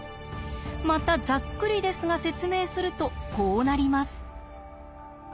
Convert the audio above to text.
またざっくりですが説明するとこうなります。